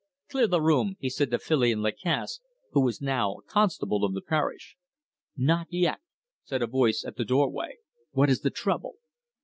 "Clear the room," he said to Filion Lacasse, who was now a constable of the parish. "Not yet!" said a voice at the doorway. "What is the trouble?"